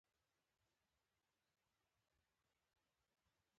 د جګړې ډګر خپل خاص منطق لري.